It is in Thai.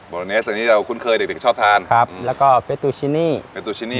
โบโลเนสอันนี้เราคุ้นเคยเด็กชอบทานครับแล้วก็เฟตุชินีเฟตุชินี